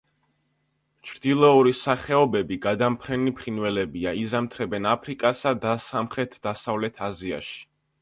ჩრდილოური სახეობები გადამფრენი ფრინველებია, იზამთრებენ აფრიკასა და სამხრეთ-დასავლეთ აზიაში.